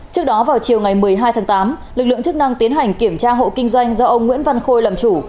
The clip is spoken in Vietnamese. trước đó vào chiều ngày một mươi hai tháng tám lực lượng chức năng tiến hành kiểm tra hộ kinh doanh do ông nguyễn văn khôi làm chủ